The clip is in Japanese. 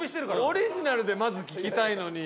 オリジナルでまず聴きたいのに。